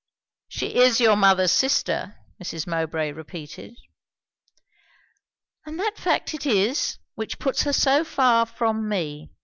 "She is your mother's sister " Mrs. Mowbray repeated. "And that fact it is, which puts her so far from me.